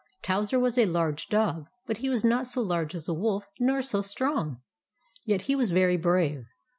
Towser was a large dog, but he was not so large as a wolf, nor so strong ; yet he was very brave.